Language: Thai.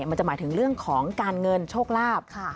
มันจะหมายถึงเรื่องของการเงินโชคลาภ